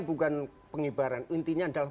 bukan pengibaran intinya adalah